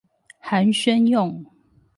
寒暄用